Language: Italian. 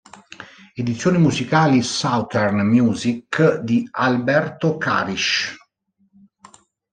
Edizioni musicali Southern Music di Alberto Carisch